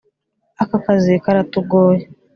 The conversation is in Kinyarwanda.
aka kazi karatugoye.